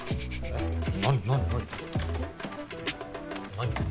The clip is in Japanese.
何？